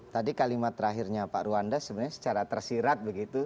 tadi kalimat terakhirnya pak ruanda sebenarnya secara tersirat begitu